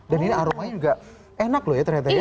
dan ini aromanya enak loh ya ternyata ya